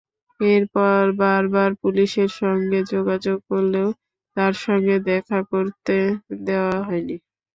এরপর বারবার পুলিশের সঙ্গে যোগাযোগ করলেও তাঁর সঙ্গে দেখা করতে দেওয়া হয়নি।